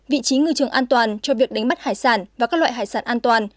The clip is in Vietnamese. vị trí ngư trường an toàn cho việc đánh bắt hải sản và các loại hải sản an toàn